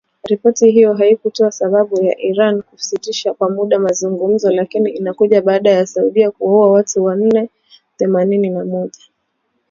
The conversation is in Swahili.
Ripoti hiyo haikutoa sababu ya Iran kusitisha kwa muda mazungumzo, lakini inakuja baada ya Saudi kuwaua watu themanini na mmoja waliopatikana na hatia ya uhalifu.